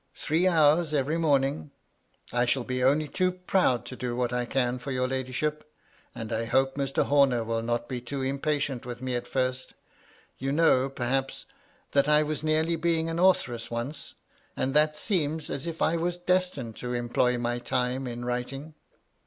Three hours every morning ! I shall be only too proud to do what I can for your ladyship ; and I hope Mr. Homer will not be too impatient with me at first. You know, perhaps, that I was nearly being an authoress once, and that seems as if I was destined to * employ my time in writing.'